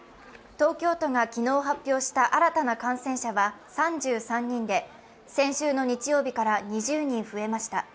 東京都が昨日発表した新たな感染者は３３人で先週の日曜日から２０人増えました。